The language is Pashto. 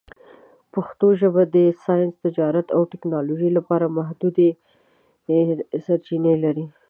پښتو ژبه د ساینس، تجارت، او ټکنالوژۍ لپاره محدودې سرچینې لري.